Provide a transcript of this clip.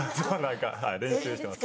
はい練習してます。